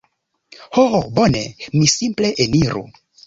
Ho bone... mi simple eniru...